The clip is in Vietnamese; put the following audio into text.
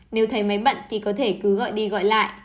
nếu thấy máy bận thì có thể cứ gọi đi gọi lại